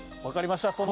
わかりました。